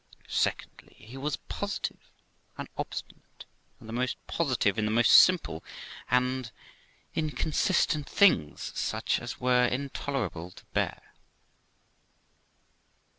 Secondly, he was positive and obstinate, and the most positive in the most simple and inconsistent things, such as were intolerable to bear.